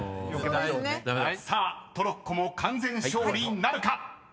［さあトロッコも完全勝利なるか⁉スタート！］